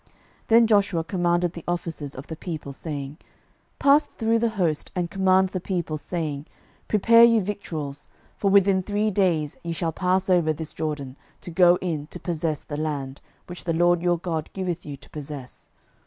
06:001:010 Then Joshua commanded the officers of the people, saying, 06:001:011 Pass through the host, and command the people, saying, Prepare you victuals; for within three days ye shall pass over this Jordan, to go in to possess the land, which the LORD your God giveth you to possess it.